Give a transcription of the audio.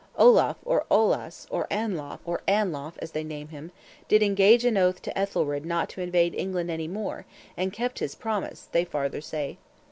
Olaf or "Olaus," or "Anlaf," as they name him, did "engage on oath to Ethelred not to invade England any more," and kept his promise, they farther say.